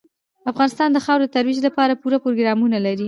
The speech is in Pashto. افغانستان د خاورې د ترویج لپاره پوره پروګرامونه لري.